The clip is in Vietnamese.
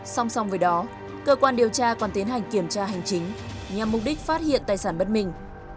song song với đó cơ quan điều tra còn tiến hành kiểm tra hành chính nhằm mục đích phát hiện tài sản bất minh